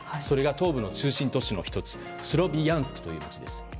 それが、東部の中心都市の１つスラビャンスクという街です。